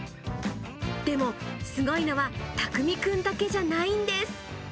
でも、すごいのは拓実くんだけじゃないんです。